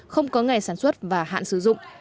không có ngày sản xuất và hạn sử dụng